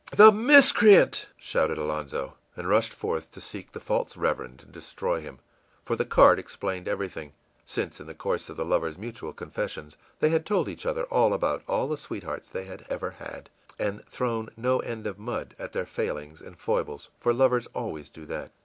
î ìThe miscreant!î shouted Alonzo, and rushed forth to seek the false Reverend and destroy him; for the card explained everything, since in the course of the lovers' mutual confessions they had told each other all about all the sweethearts they had ever had, and thrown no end of mud at their failings and foibles for lovers always do that.